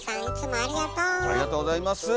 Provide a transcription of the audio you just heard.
ありがとうございます！